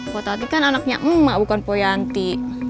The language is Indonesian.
pokoknya tati kan anaknya emak bukan poyanti